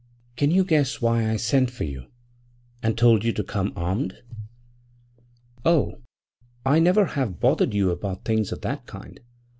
Can you guess why I sent for you, and told you to come armed?' 'Oh, I never have bothered you about things of that kind.